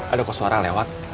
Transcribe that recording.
ada kok suara lewat